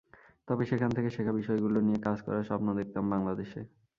তবে সেখান থেকে শেখা বিষয়গুলো নিয়ে কাজ করার স্বপ্ন দেখতাম বাংলাদেশে।